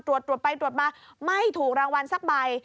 ตรวจตรวจไปตรวจมาไม่ถูกรางวัลสักใบ